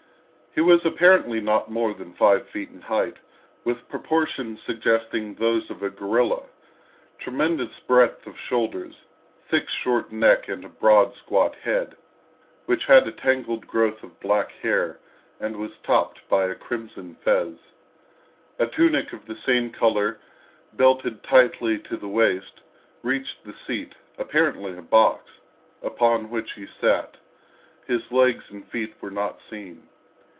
He was apparently not more than five feet in height, with proportions suggesting those of a gorilla—a tremendous breadth of shoulders, thick, short neck and broad, squat head, which had a tangled growth of black hair and was topped with a crimson fez. A tunic of the same color, belted tightly to the waist, reached the seat—apparently a box—upon which he sat; his legs and feet were not seen.